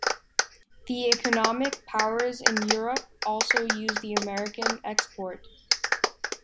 The economic powers in Europe also used the American export.